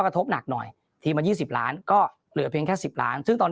กระทบหนักหน่อยทีมละ๒๐ล้านก็เหลือเพียงแค่๑๐ล้านซึ่งตอน